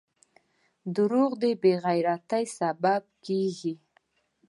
• دروغ د بې عزتۍ سبب کیږي.